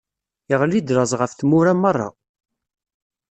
Iɣli-d laẓ ɣef tmura meṛṛa.